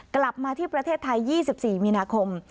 กลับมาที่ประเทศไทย๒๔มีนาคม